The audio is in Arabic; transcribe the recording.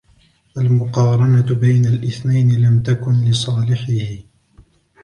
المقارنة بين الإثنَينِ لم تكنْ لصالحِهِ.